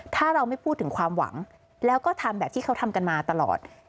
ถ้าเราไม่พูดถึงความหวังแล้วก็ทำแบบที่เขาทำกันมาตลอด